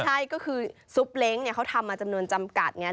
ใช่ก็คือซุปเล้งเนี่ยเขาทำมาจำนวนจำกัดเนี่ย